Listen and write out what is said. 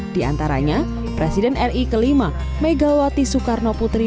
di antaranya presiden ri ke lima megawati soekarno putri